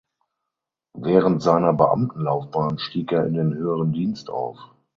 Während seiner Beamtenlaufbahn stieg er in den höheren Dienst auf.